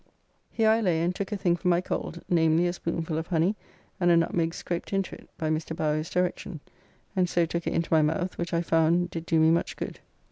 Here I lay and took a thing for my cold, namely a spoonful of honey and a nutmeg scraped into it, by Mr. Bowyer's direction, and so took it into my mouth, which I found did do me much good.